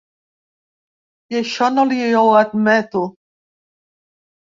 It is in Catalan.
I això no li ho admeto.